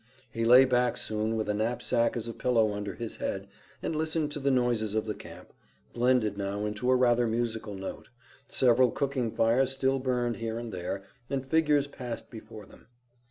He lay back soon with a knapsack as a pillow under his head and listened to the noises of the camp, blended now into a rather musical note. Several cooking fires still burned here and there and figures passed before them.